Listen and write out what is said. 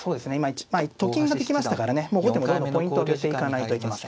１枚と金ができましたからねもう後手もどんどんポイントをあげていかないといけません。